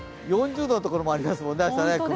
４０度のところもありますもんね。